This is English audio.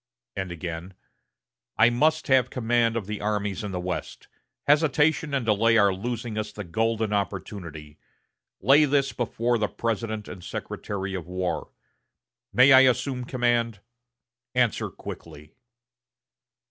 And again: "I must have command of the armies in the West. Hesitation and delay are losing us the golden opportunity. Lay this before the President and Secretary of War. May I assume the command? Answer quickly."